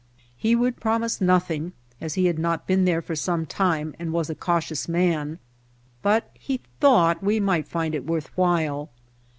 He would promise nothing as he had not been there for some time and was a cautious man, but he thought we might find it worth while.